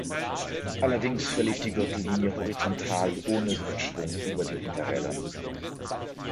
Allerdings verlief die Gürtellinie horizontal ohne Hüftschwung über den Hinterrädern.